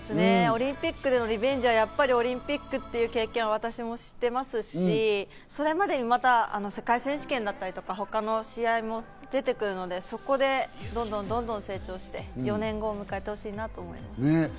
オリンピックでのリベンジはやっぱりオリンピックという経験を私もしていますし、それまでにまた世界選手権だったり、他の試合も出てくるので、そこでどんどん成長して４年後に向かってほしいなと思います。